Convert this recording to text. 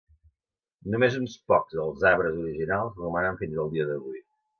Només uns pocs dels arbres originals romanen fins al dia d'avui.